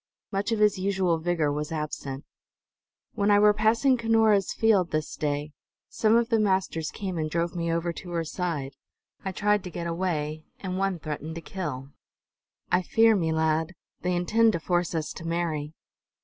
Much of his usual vigor was absent. "When I were passing Cunora's field this day, some of the masters came and drove me over to her side. I tried to get away, and one threatened to kill. I fear me, lad, they intend to force us to marry!"